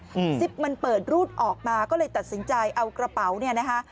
อืมซิปมันเปิดรูดออกมาก็เลยตัดสินใจเอากระเป๋าเนี้ยนะคะ